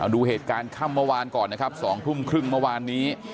ดูเหตุการณ์ค่ำเมื่อวานก่อนนะครับ๒ทุ่มครึ่งเมื่อวานนี้